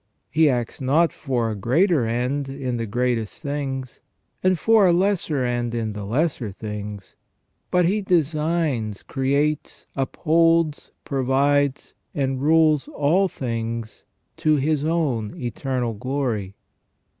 He acts not for a greater end in the greatest things, and for a lesser end in the lesser things; but He designs, creates, upholds, provides, and rules all things to His own eternal glory.